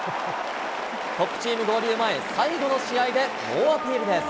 トップチーム合流前、最後の試合で猛アピールです。